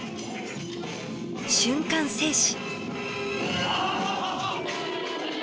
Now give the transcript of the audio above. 瞬間静止！